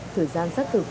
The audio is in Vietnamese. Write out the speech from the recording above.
thời gian xác thực